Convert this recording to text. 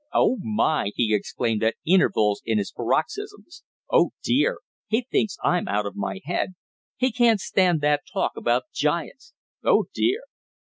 "Oh, my!" he exclaimed at intervals in his paroxysms. "Oh, dear! He thinks I'm out of my head! He can't stand that talk about giants! Oh dear!